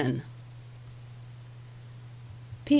P.